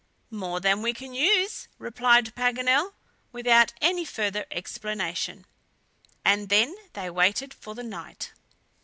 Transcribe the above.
"More than we can use!" replied Paganel, without any further explanation. And then they waited for the night.